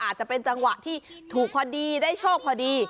อาจจะเป็นจังหวะที่ถูกพอดีได้โชคพอดี